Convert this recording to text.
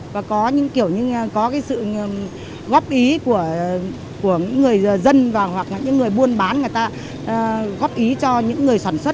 và có những kiểu như có cái sự góp ý của người dân và hoặc những người buôn bán người ta góp ý cho những người sản xuất